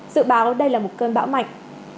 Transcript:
dự báo đây là một cơn bão mạnh